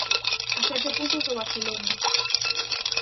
A sete puntos do Barcelona.